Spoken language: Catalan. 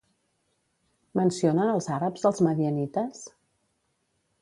Mencionen els àrabs als madianites?